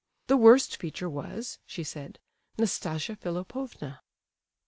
The worst feature was, she said, Nastasia Philipovna.